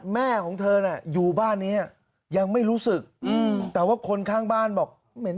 มีกลิ่นช้วยมาก